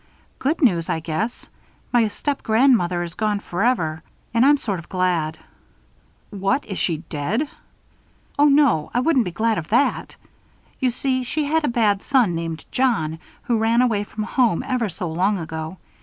"Good news, I guess. My stepgrandmother is gone forever. And I'm sort of glad." "What! Is she dead?" "Oh, no! I wouldn't be glad of that. You see, she had a bad son named John, who ran away from home ever so long ago.